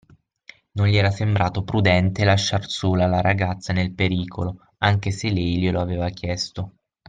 Non gli era sembrato prudente lasciar sola la ragazza nel pericolo, anche se lei glielo aveva chiesto.